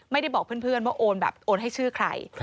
ไม่ได้บอกเพื่อนว่าโอนแบบโอนให้ชื่อใคร